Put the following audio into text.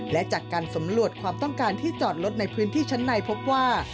และจากการสำรวจความต้องการที่จอดรถในพื้นที่ชั้นในพบว่า